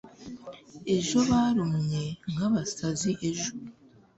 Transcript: ejo barumye nkabasazi ejo